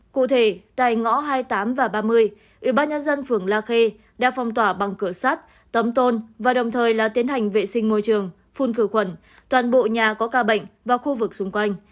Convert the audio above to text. cụ thể tại ngõ hai mươi tám và ba mươi ủy ban nhân dân phường la khê đã phong tỏa bằng cửa sát tấm tôn và đồng thời là tiến hành vệ sinh môi trường phun cửa khuẩn toàn bộ nhà có ca bệnh và khu vực xung quanh